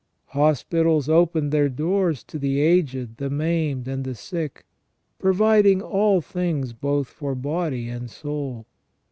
Hospitals opened their doors to the aged, the maimed, and the sick, providing all things both for body and soul.